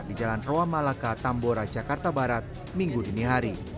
di jalan roa malaka tambora jakarta barat minggu dini hari